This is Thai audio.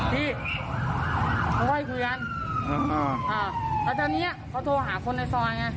ที่เขาค่อยคุยกันอ่าอ่าแล้วตอนเนี้ยเขาโทรหาคนในซอยไง